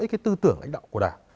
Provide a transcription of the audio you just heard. được cái tư tưởng lãnh đạo của đảng